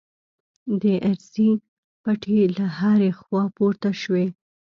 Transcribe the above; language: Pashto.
د ارسي پټې له هرې خوا پورته شوې.